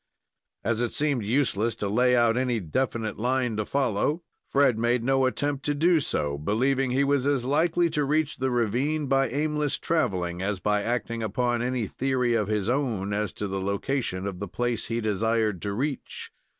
As it seemed useless to lay out any definite line to follow, Fred made no attempt to do so, believing he was as likely to reach the ravine by aimless traveling as by acting upon any theory of his own as to the location of the place he desired to reach.